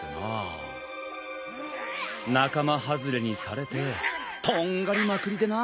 仲間外れにされてとんがりまくりでな。